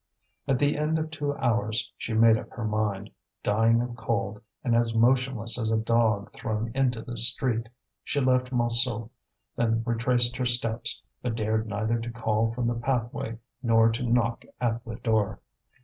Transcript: At the end of two hours she made up her mind, dying of cold and as motionless as a dog thrown into the street. She left Montsou, then retraced her steps, but dared neither to call from the pathway nor to knock at the door.